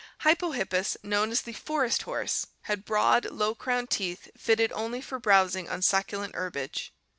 Hy pohippus (Fig. 219) known as the "forest horse," had broad, low crowned teeth fitted only for brows ing on succulent herbage.